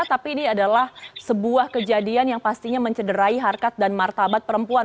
tapi ini adalah sebuah kejadian yang pastinya mencederai harkat dan martabat perempuan